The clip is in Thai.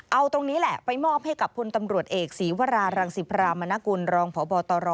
เอาตรงนี้แหละไปมอบให้กับพลตำรวจเอกศีวรารังสิพรามนกุลรองพบตร